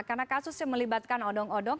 karena kasus yang melibatkan odong odong